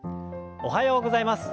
おはようございます。